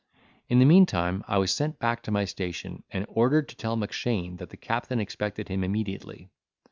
In the meantime, I was sent back to my station, and ordered to tell Mackshane, that the captain expected him immediately.